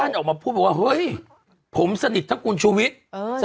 บิ๊กโจ๊กออกมาพูดบอกว่าเฮ้ยผมสนิททั้งคุณชูวิทโพสต์